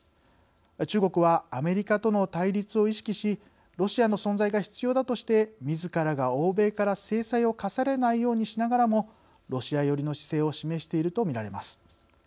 中国はアメリカとの対立を意識しロシアの存在が必要だとしてみずからが欧米から制裁を科されないようにしながらもロシア寄りの姿勢を示していると見られます。